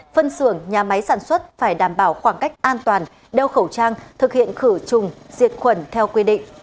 phân xưởng nhà máy sản xuất phải đảm bảo khoảng cách an toàn đeo khẩu trang thực hiện khử trùng diệt khuẩn theo quy định